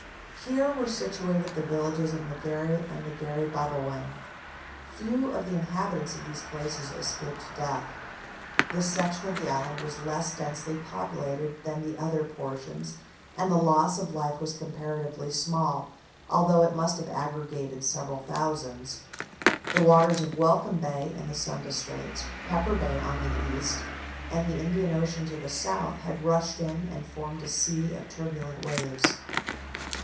Here were situated the villages of Negery and Negery Babawang. Few of the inhabitants of these places escaped death. This section of the island was less densely populated than the other portions, and the loss of life was comparatively small, although it must have aggregated several thousands. The waters of Welcome Bay in the Sunda Straits, Pepper Bay on the east, and the Indian Ocean on the south, had rushed in and formed a sea of turbulent waves.